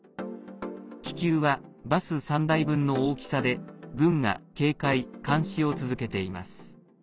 気球はバス３台分の大きさで軍が警戒、監視を続けています。